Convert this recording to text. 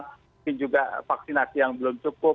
mungkin juga vaksinasi yang belum cukup